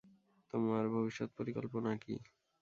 তোমার ভবিষ্যৎ পরিকল্পনা কী?